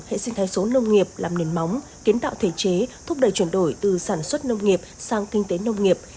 hệ sinh thái số nông nghiệp làm nền móng kiến tạo thể chế thúc đẩy chuyển đổi từ sản xuất nông nghiệp sang kinh tế nông nghiệp